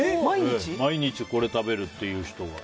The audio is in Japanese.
毎日これ食べるっていう人が。